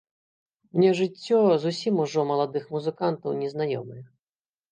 Мне жыццё зусім ужо маладых музыкаў не знаёмае.